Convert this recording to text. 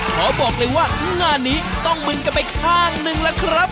ขอบอกเลยว่างานนี้ต้องมึนกันไปข้างนึงล่ะครับ